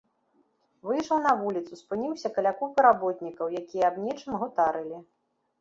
Выйшаў на вуліцу, спыніўся каля купы работнікаў, якія аб нечым гутарылі.